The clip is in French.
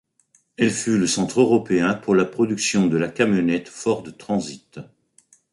Elle fut le centre Européen pour la production de la camionnette Ford Transit.